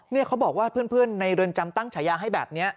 นี่เขาบอกว่าเพื่อนในเรือนจำตั้งฉายาให้แบบนี้